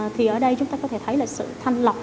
thì ở đây chúng ta có thể thấy là sự thanh lọc